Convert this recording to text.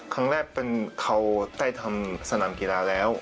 ครั้งแรกเขาได้ทำสนามกีฬาแล้ว